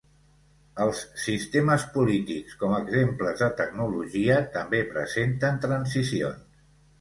Els sistemes polítics com a exemples de tecnologia, també presenten transicions.